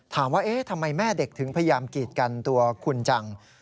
ถามว่าเอ๊ะทำไมแม่เด็กถึงพยายามกีดกันตัวคุณจัง